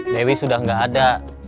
dewi sudah nggak ada